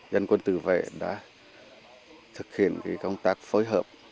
dân quân tự vệ đã thực hiện công tác phối hợp